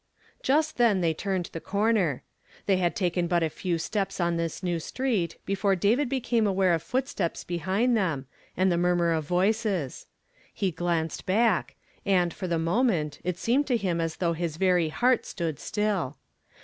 JUST thea tliey turned the corner. They had taken but a few steps on this new street before David l)ecanie aware of footsteps beliind tlieni, and the murmur of voices. He glanced back, and, for tlie moment, it seemed to him as thoug)i his very heart stood still.